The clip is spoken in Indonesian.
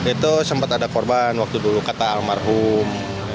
itu sempat ada korban waktu dulu kata almarhum